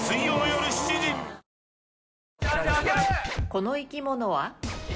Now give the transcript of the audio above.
この生き物は？